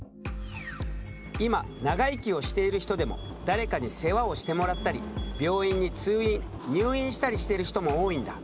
今長生きをしている人でも誰かに世話をしてもらったり病院に通院入院したりしている人も多いんだ。